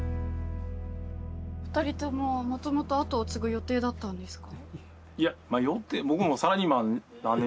二人とももともと後を継ぐ予定だったんですか？